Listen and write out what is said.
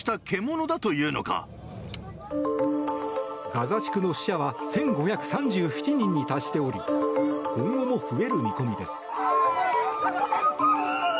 ガザ地区の死者は１５３７人に達しており今後も増える見込みです。